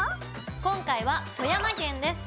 今回は富山県です。